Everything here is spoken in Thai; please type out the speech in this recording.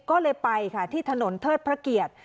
ก็เลยไปค่ะที่ถนนเทิดพระเกียรติ